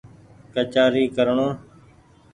ڪچآري ڪرڻو